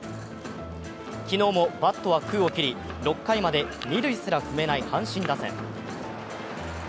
昨日もバットは空を切り、６回まで二塁すら踏めない阪神打線。